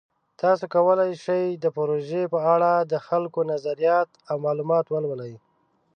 تاسو کولی شئ د پروژې په اړه د خلکو نظریات او معلومات ولولئ.